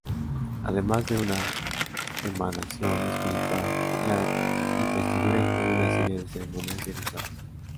Además de una emanación espiritual, la investidura incluye una serie de ceremonias y rituales.